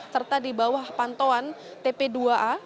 serta di bawah pantauan tp dua a